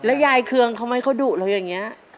แล้วยายเคืองทำไมเขาดุเลยอย่างนี้